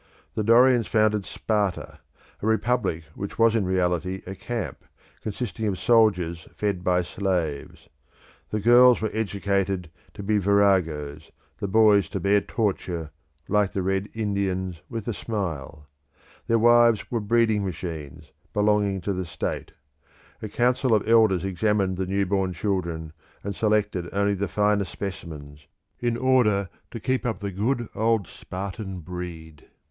The Dorians founded Sparta, a republic which was in reality a camp, consisting of soldiers fed by slaves. The girls were educated to be viragoes; the boys to bear torture, like the Red Indians, with a smile. The wives were breeding machines, belonging to the state; a council of elders examined the new born children, and selected only the finer specimens, in order to keep up the good old Spartan breed.